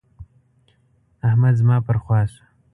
احمد زما پر خوا شو.